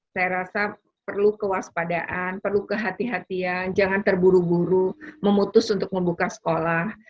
saya rasa perlu kewaspadaan perlu kehatian jangan terburu buru memutus untuk membuka sekolah